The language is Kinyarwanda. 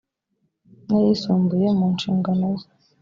n ayisumbuye mu nshingano ze